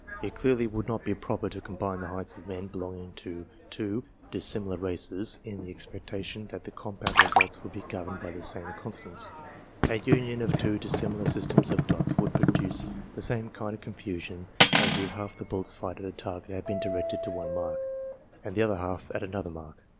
It clearly would not be proper to combine the heights of men belonging to two dissimilar races, in the expectation that the compound results would be governed by the same constants. A union of two dis similar systems of dots would produce the same kind of confusion as if half the bullets fired at a target had been directed to one mark, and the other half to another mark.